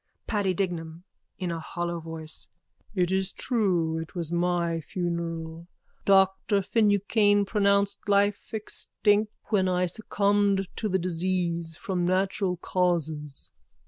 _ PADDY DIGNAM: (In a hollow voice.) It is true. It was my funeral. Doctor Finucane pronounced life extinct when I succumbed to the disease from natural causes.